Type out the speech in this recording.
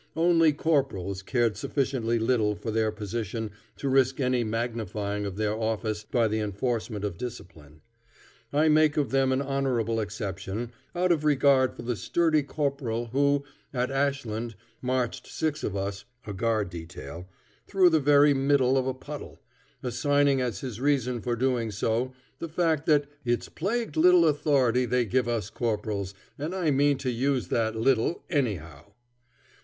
Only corporals cared sufficiently little for their position to risk any magnifying of their office by the enforcement of discipline. I make of them an honorable exception, out of regard for the sturdy corporal who, at Ashland, marched six of us (a guard detail) through the very middle of a puddle, assigning as his reason for doing so the fact that "It's plagued little authority they give us corporals, and I mean to use that little, any how."